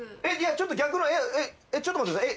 ちょっと逆のちょっと待ってください。